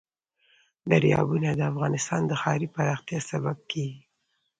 دریابونه د افغانستان د ښاري پراختیا سبب کېږي.